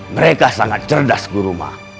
mereka sangat cerdas guru mah